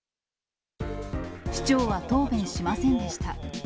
市長は答弁しませんでした。